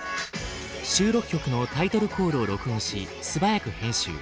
収録曲のタイトルコールを録音し素早く編集。